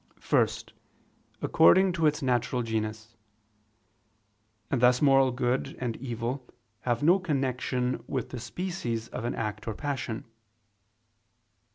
First, according to its natural genus; and thus moral good and evil have no connection with the species of an act or passion.